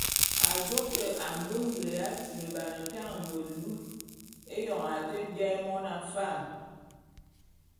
Ajô te a mbe ngule ya tuneban tañe melu éyoñ a te biaé mona fam.